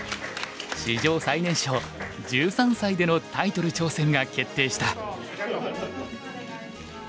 史上最年少１３歳でのタイトル挑戦が決定した。